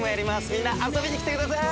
みんな遊びに来てください！